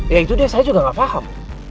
ya itu deh saya juga enggak paham